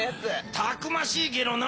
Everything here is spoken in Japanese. たくましいゲロな。